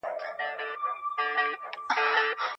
د کفایت په لږولو کې چاته زیات ضرر رسېږي؟